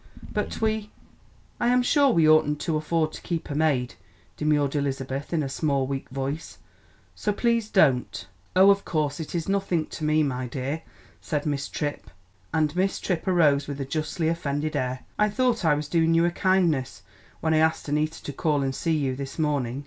"But we I am sure we oughtn't to afford to keep a maid," demurred Elizabeth in a small, weak voice. "So please don't " "Oh, of course, it is nothing to me, my dear," and Miss Tripp arose with a justly offended air. "I thought I was doing you a kindness when I asked Annita to call and see you this morning.